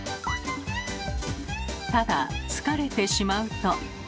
ただ疲れてしまうと。